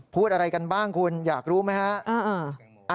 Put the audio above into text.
พูดอะไรกันบ้างคุณอยากรู้ไหมฮะ